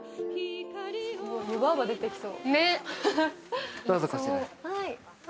湯婆婆、出てきそう。